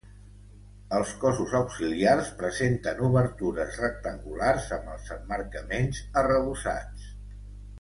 Els cossos auxiliars presenten obertures rectangulars amb els emmarcaments arrebossats.